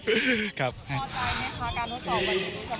พอใจไหมคะการทดสอบวันนี้สุดสะดวก